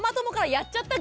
「やっちゃった！」